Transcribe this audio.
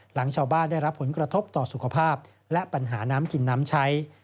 หลังชาวบ้านได้รับผลกระทบต่อสุขภาพและปัญหาน้ำกินน้ำใช้